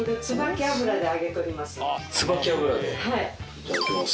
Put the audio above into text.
いただきます。